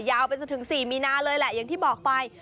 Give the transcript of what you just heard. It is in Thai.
ยาวไปจนถึง๔มีนาเลยแหละอย่างที่บอกไป